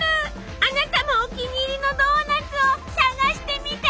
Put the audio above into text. あなたもお気に入りのドーナツを探してみて！